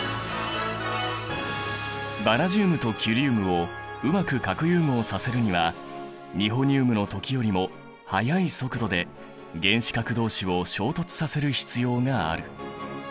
バナジウムとキュリウムをうまく核融合させるにはニホニウムの時よりも速い速度で原子核同士を衝突させる必要がある。